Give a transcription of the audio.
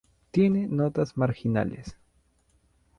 Tiene notas marginales.